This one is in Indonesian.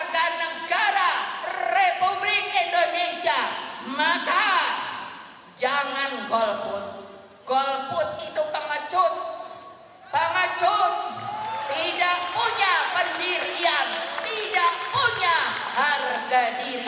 pangacut tidak punya pendirian tidak punya harga diri